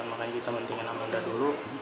makanya kita pentingin amanda dulu